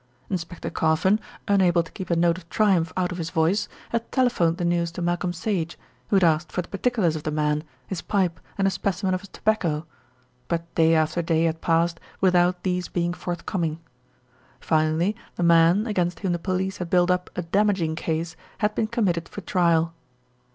Inspector Carfon, unable to keep a note of triumph out of his voice, had telephoned the news to Malcolm Sage, who had asked for particulars of the man, his pipe, and a specimen of his tobacco; but day after day had passed without these being forthcoming. Finally the man, against whom the police had built up a damaging case, had been committed for trial.